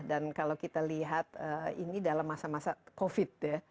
dan kalau kita lihat ini dalam masa masa covid ya